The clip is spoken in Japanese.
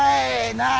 なあ？